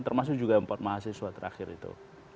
termasuk juga empat mahasiswa terakhir itu